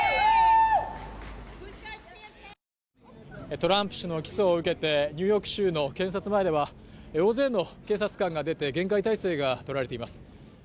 トランプ氏の起訴を受けてニューヨーク市の検察前では大勢の警察官が出て厳戒態勢がとられています。